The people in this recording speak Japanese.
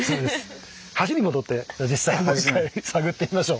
橋に戻って実際もう一回探ってみましょう。